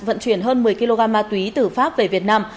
vận chuyển hơn một mươi kg ma túy từ pháp về việt nam